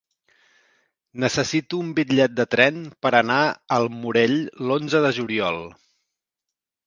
Necessito un bitllet de tren per anar al Morell l'onze de juliol.